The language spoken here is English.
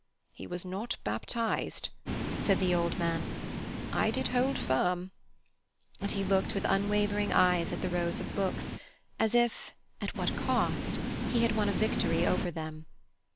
"He was not baptized," said the old man. "I did hold firm." And he looked with unwavering eyes at the rows of books, as if—at what cost!—he had won a victory over them.